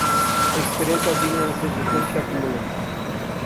Experiența vine însă jucând și acumulând.